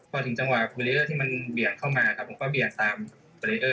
พอถึงจังหวะบารีเออร์ที่มันเบี่ยงเข้ามาก็เบี่ยงตามบารีเออร์